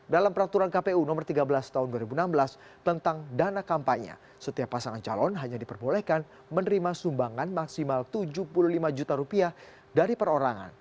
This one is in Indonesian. dalam peraturan kpu nomor tiga belas tahun dua ribu enam belas tentang dana kampanye setiap pasangan calon hanya diperbolehkan menerima sumbangan maksimal tujuh puluh lima juta rupiah dari perorangan